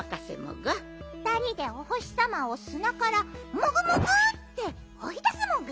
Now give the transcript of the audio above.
ふたりでおほしさまをすなからモグモグッっておいだすモグ。